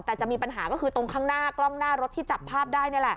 แต่จะมีปัญหาก็คือตรงข้างหน้ากล้องหน้ารถที่จับภาพได้นี่แหละ